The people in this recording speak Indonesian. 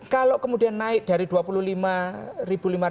kalau kemudian naik dari rp dua puluh lima lima ratus